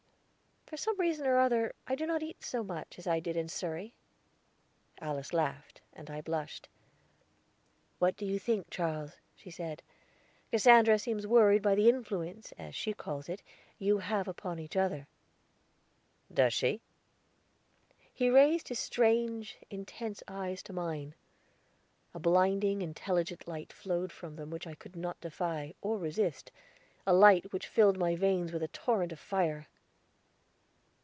"For some reason or other, I do not eat so much as I did in Surrey." Alice laughed, and I blushed. "What do you think, Charles?" she said, "Cassandra seems worried by the influence, as she calls it, you have upon each other." "Does she?" He raised his strange, intense eyes to mine; a blinding, intelligent light flowed from them which I could not defy, nor resist, a light which filled my veins with a torrent of fire.